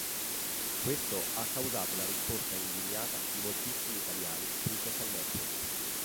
Questo ha causato la risposta indignata di moltissimi italiani sui social network.